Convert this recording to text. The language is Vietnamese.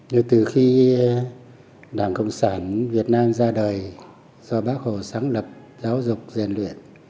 nhưng từ khi đảng cộng sản việt nam ra đời do bác hồ sáng lập giáo dục giàn luyện